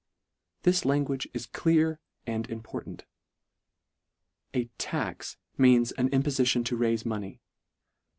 This language is clear and important. A " tax " means an impofition to raife money.